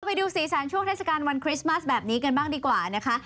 ไปดูสีสันช่วงเทศกาลวันคริสต์มัสแบบนี้กันบ้างดีกว่านะคะ